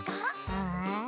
うん？